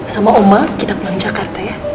sama oma kita pulang jakarta ya